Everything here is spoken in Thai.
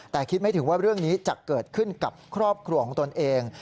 แต่คิดไม่ถึงว่าเรื่องนี้จะเกิดขึ้นกับครอบครัวของตนเอง